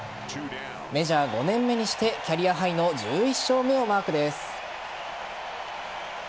メジャー５年目にしてキャリアハイの１１勝目をマークです。